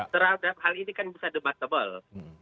terhadap hal ini kan bisa debatable